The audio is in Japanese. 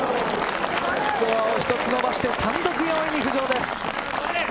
スコアを１つ伸ばして単独４位に浮上です。